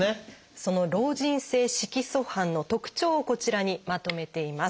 その老人性色素斑の特徴をこちらにまとめています。